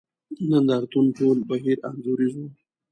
نند ارتون ټول بهیر انځوریز وو.